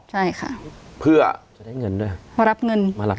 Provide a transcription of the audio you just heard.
ใช่ค่ะเพื่อจะได้เงินด้วยมารับเงินมารับเงิน